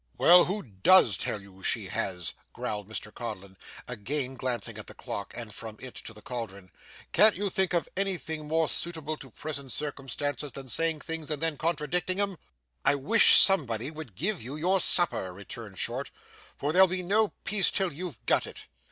'Well, who DOES tell you she has?' growled Mr Codlin, again glancing at the clock and from it to the cauldron, 'can't you think of anything more suitable to present circumstances than saying things and then contradicting 'em?' 'I wish somebody would give you your supper,' returned Short, 'for there'll be no peace till you've got it.